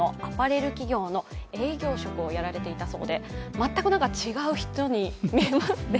全く、違う人に見えますね。